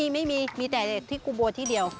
ไม่มีมีแต่ที่กูบวนที่เดียว